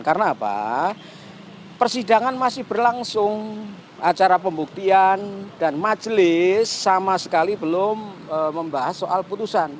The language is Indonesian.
karena apa persidangan masih berlangsung acara pembuktian dan majelis sama sekali belum membahas soal putusan